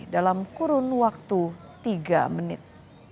dalam kurun waktu tiga menit